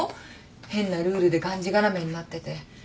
変なルールでがんじがらめになってて。